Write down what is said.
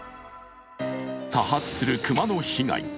多発する熊の被害。